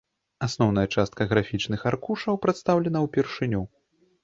Асноўная частка графічных аркушаў прадстаўлена ўпершыню.